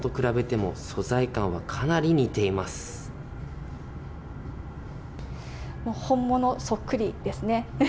もう本物そっくりですね。